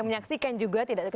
tidak tercuali saya brother